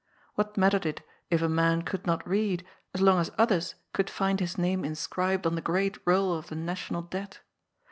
What mattered it if a man could not read, as long as others could find his name inscribed on the great roll of the National Debt?